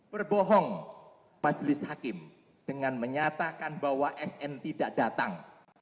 berbohong majelis hakim dengan menyatakan bahwa sn tidak datang